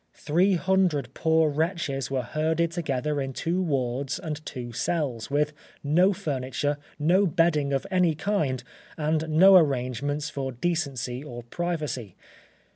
Three hundred poor wretches were herded together in two wards and two cells, with no furniture, no bedding of any kind, and no arrangements for decency or privacy.